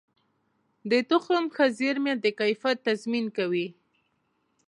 د تخم ښه زېرمه د کیفیت تضمین کوي.